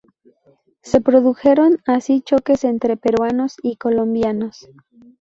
Se produjeron así choques entre peruanos y colombianos.